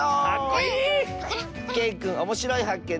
けいくんおもしろいはっけん